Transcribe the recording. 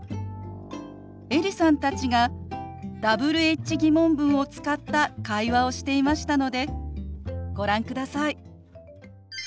エリさんたちがＷｈ−疑問文を使った会話をしていましたのでご覧ください。